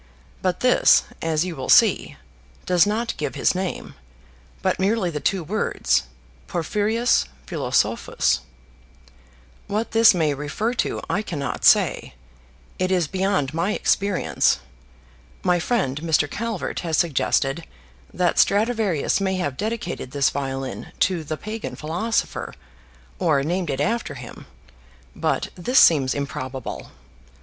But this, as you will see, does not give his name, but merely the two words 'Porphyrius philosophus.' What this may refer to I cannot say: it is beyond my experience. My friend Mr. Calvert has suggested that Stradivarius may have dedicated this violin to the pagan philosopher, or named it after him; but this seems improbable.